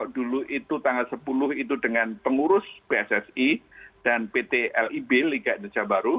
dulu itu tanggal sepuluh itu dengan pengurus pssi dan pt lib liga indonesia baru